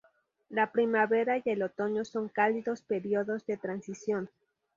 La primavera y el otoño son cálidos períodos de transición.